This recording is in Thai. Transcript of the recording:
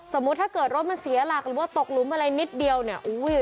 ถ้าเกิดรถมันเสียหลักหรือว่าตกหลุมอะไรนิดเดียวเนี่ยอุ้ย